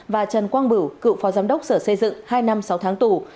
và trần quang bửu cựu phó giám đốc sở xây dựng hai năm sáu tháng tù